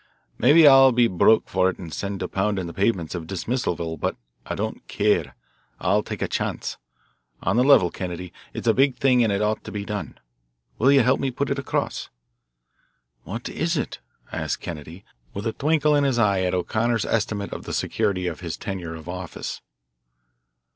Maybe I'll be 'broke' for it and sent to pounding the pavements of Dismissalville, but I don't care, I'll take a chance. On the level, Kennedy, it's a big thing, and it ought to be done. Will you help me put it across?" "What is it?" asked Kennedy with a twinkle in his eye at O'Connor's estimate of the security of his tenure of office.